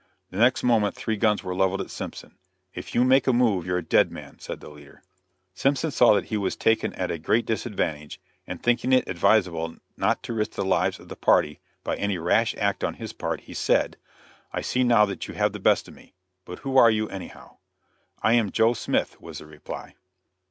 The next moment three guns were leveled at Simpson. "If you make a move you're a dead man," said the leader. Simpson saw that he was taken at a great disadvantage, and thinking it advisable not to risk the lives of the party by any rash act on his part, he said: "I see now that you have the best of me, but who are you, anyhow?" "I am Joe Smith," was the reply.